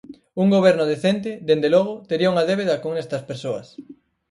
Un Goberno decente, dende logo, tería unha débeda con estas persoas.